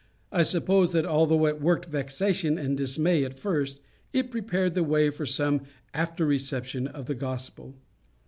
I suppose that although it worked vexation and dismay at first, it prepared the way for some after reception of the gospel.